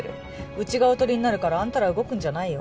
うちがおとりになるからあんたら動くんじゃないよ。